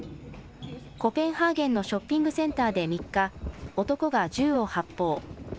コペンハーゲンのショッピングセンターで３日、男が銃を発砲。